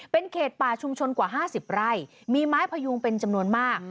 เป็นเขตป่าชุมชนกว่า๕๐ไร่มีไม้พยุงเป็นจำนวนมาก